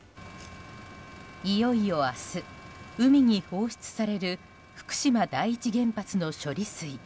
いよいよ明日、海に放出される福島第一原発の処理水。